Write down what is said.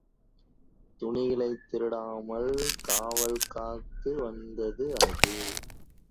துணிகளைத் திருடாமல் காவல் காத்துவந்தது அது.